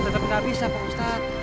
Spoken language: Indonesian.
tetapi gak bisa pak ustadz